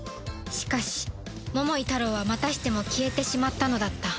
しかし桃井タロウはまたしても消えてしまったのだった